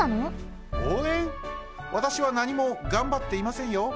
わたしはなにもがんばっていませんよ。